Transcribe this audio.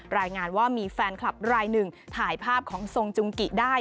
รายงานว่ามีแฟนคลับรายหนึ่งถ่ายภาพของทรงจุงกิได้